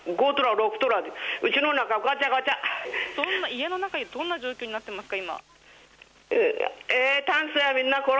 家の中、どんな状況に今、なっていますか？